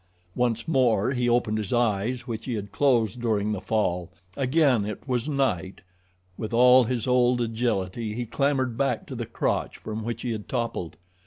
Once more he opened his eyes, which he had closed during the fall. Again it was night. With all his old agility he clambered back to the crotch from which he had toppled.